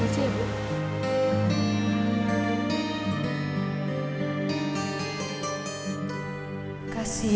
terima kasih bu